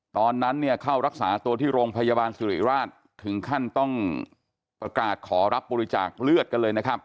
ประกาศขอรับบริจาคเลือดกันเลยนะครับ